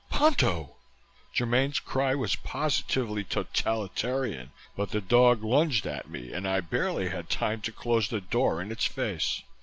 "Ponto!" Germaine's cry was positively totalitarian but the dog lunged at me and I barely had time to close the door in its face.